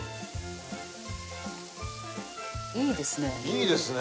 いいですね。